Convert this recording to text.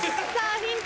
ヒント